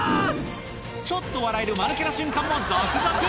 ちょっと笑えるマヌケな瞬間も続々！